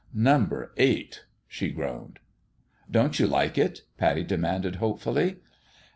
" Number eight," she groaned. " Don't you like it ?" Pattie demanded, hope fully.